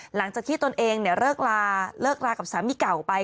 หลังจากที่ตนเองเลิกลากับสามีเก่าไป